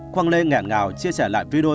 quang lê nghẹn ngào chia sẻ lại video